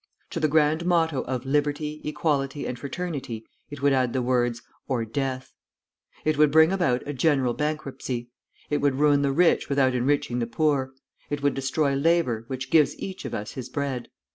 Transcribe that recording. To the grand motto of 'Liberty, Equality, and Fraternity,' it would add the words, 'or death.' It would bring about a general bankruptcy. It would ruin the rich without enriching the poor. It would destroy labor, which gives each of us his bread.